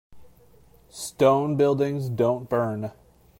Stone buildings don't burn.